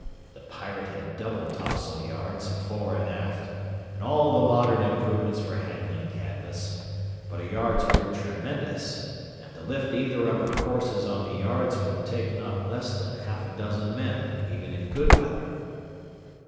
The Pirate had double topsail yards fore and aft and all the modern improvements for handling canvas; but her yards were tremendous, and to lift either of her courses on the yards would take not less than half a dozen men even in good weather.